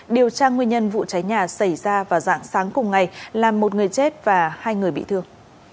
điều tra nguyên nhân vụ cháy nhà xảy ra vào dạng sáng cùng ngày làm một người chết và hai người bị thương